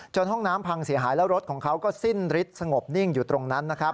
จนห้องน้ำพังเสียหายแล้วรถของเขาก็สิ้นริดสงบนิ่งอยู่ตรงนั้น